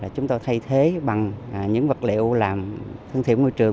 chúng tôi thay thế bằng những vật liệu làm thân thiện môi trường